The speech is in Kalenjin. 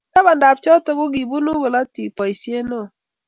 tabandab choto, kokikonu bolutik boisiet neoo